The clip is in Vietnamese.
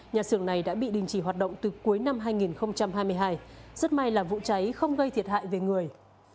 nhà xưởng này đã bị đình chỉ hoạt động từ cuối năm hai nghìn hai mươi hai rất may là vụ cháy không gây thiệt hại về người